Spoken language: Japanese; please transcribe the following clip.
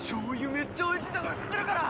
めっちゃおいしいところ知ってるから！